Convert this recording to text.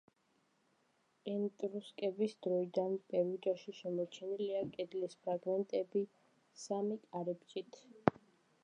ეტრუსკების დროიდან პერუჯაში შემორჩენილია კედლის ფრაგმენტები სამი კარიბჭით.